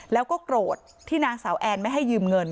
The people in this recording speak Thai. แล้วก็โกรธที่นางสาวแอนไม่ให้ยืมเงิน